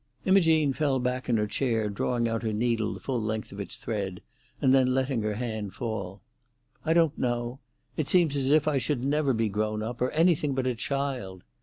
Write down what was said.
Imogene fell back in her chair, drawing out her needle the full length of its thread, and then letting her hand fall. "I don't know. It seems as if I never should be grown up, or anything but a child.